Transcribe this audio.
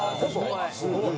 すごい。